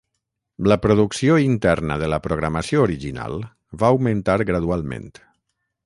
La producció interna de la programació original va augmentar gradualment.